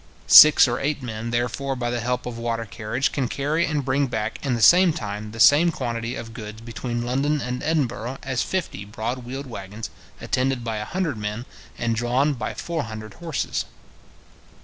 Six or eight men, therefore, by the help of water carriage, can carry and bring back, in the same time, the same quantity of goods between London and Edinburgh as fifty broad wheeled waggons, attended by a hundred men, and drawn by four hundred horses.